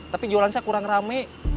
tapi jualan saya kurang rame